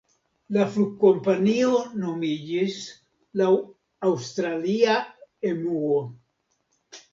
La flugkompanio nomiĝis laŭ aŭstralia Emuo.